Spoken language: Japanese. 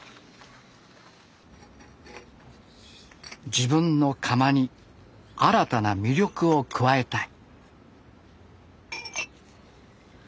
自分の窯に新たな魅力を加えたい。